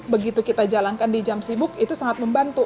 begitu kita jalankan di jam sibuk itu sangat membantu